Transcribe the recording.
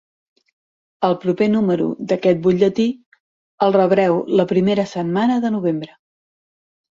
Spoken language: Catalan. El proper número d'aquest butlletí el rebreu la primera setmana de novembre.